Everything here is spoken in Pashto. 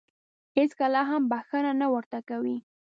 هېڅکله هم بښنه نه ورته کوي .